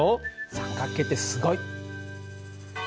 三角形ってすごい！